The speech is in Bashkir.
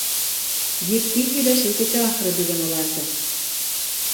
Етди һөйләшеү көтә, ахыры, бөгөн уларҙы.